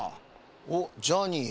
おっジャーニー